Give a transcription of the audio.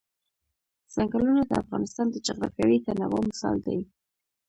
ځنګلونه د افغانستان د جغرافیوي تنوع مثال دی.